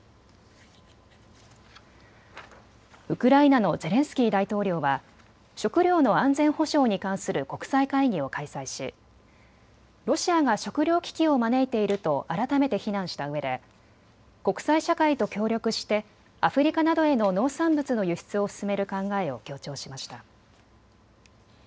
ウクライナのゼレンスキー大統領は食料の安全保障に関する国際会議を開催しロシアが食料危機を招いていると改めて非難したうえで国際社会と協力してアフリカなどへの農産物の輸出を進める考えを強調しました。